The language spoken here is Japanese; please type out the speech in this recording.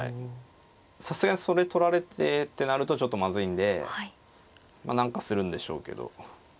さすがにそれ取られてってなるとちょっとまずいんでまあ何かするんでしょうけど。